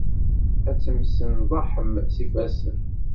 Ad temsenḍaḥem s ifassen.